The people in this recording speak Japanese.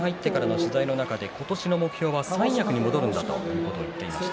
今年に入ってから取材の中で今年の目標は三役に戻るんだと言っていました。